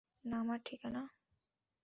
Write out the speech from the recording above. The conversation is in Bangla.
নাম আর ঠিকানা?